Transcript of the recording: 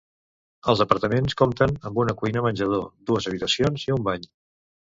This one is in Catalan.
Els apartaments compten amb una cuina-menjador, dues habitacions i un bany.